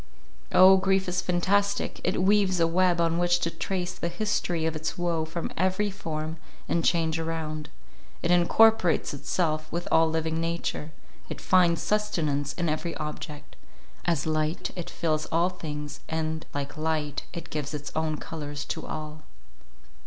Oh! grief is fantastic; it weaves a web on which to trace the history of its woe from every form and change around; it incorporates itself with all living nature; it finds sustenance in every object; as light, it fills all things, and, like light, it gives its own colours to all.